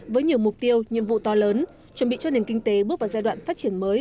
với nhiều mục tiêu nhiệm vụ to lớn chuẩn bị cho nền kinh tế bước vào giai đoạn phát triển mới